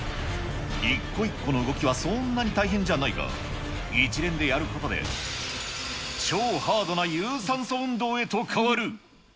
一個一個の動きはそんなに大変じゃないが、一連でやることで、超ハードな有酸素運動へと変わる。